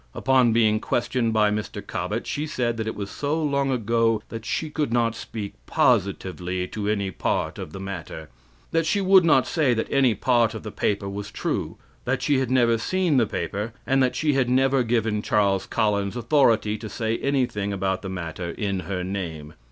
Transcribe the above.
Upon being questioned by Mr. Cobbett she said that it was so long ago that she could not speak positively to any part of the matter; that she would not say that any part of the paper was true; that she had never seen the paper, and that she had never given Charles Collins authority to say anything about the matter in her name.